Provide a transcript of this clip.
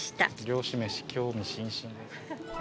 漁師めし興味津々です。